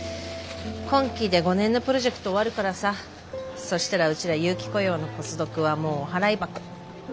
今期で５年のプロジェクト終わるからさそしたらうちら有期雇用のポスドクはもうお払い箱。